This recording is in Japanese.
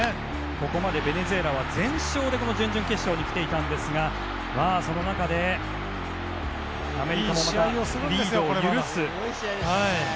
ここまでベネズエラは全勝で準々決勝まで来ていたんですがその中でアメリカもまたリードを許す。